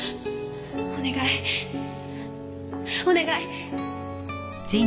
お願いお願い！